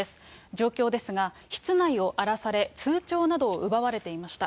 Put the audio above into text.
状況ですが、室内を荒らされ、通帳などを奪われていました。